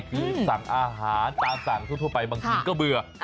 คือสั่งอาหารตามสั่งทั่วไปบางทีก็เบื่อ